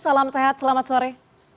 salam sehat selamat sore